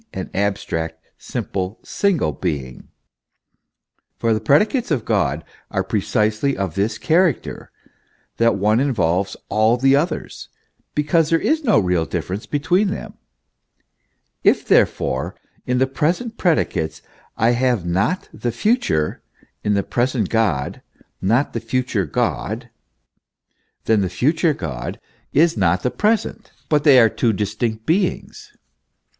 an abstract, simple, single being ; for the predicates of God are precisely of this character, that one involves all the others, because there is no real dif ference between them. If, therefore, in the present predicates I have not the future, in the present God not the future God, then the future God is not the present, but they are two dis tinct beings.